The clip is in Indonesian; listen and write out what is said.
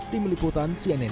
tim liputan cnn indonesia